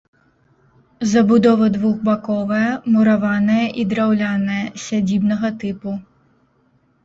Забудова двухбаковая, мураваная і драўляная, сядзібнага тыпу.